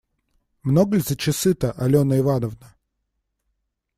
Много ль за часы-то, Алена Ивановна?